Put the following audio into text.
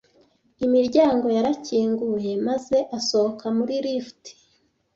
Imiryango yarakinguye maze asohoka muri lift.